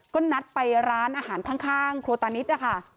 ก็นัดไปร้านอาหารข้างครัวตานิดนะคะ